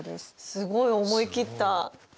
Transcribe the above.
すごい思い切った。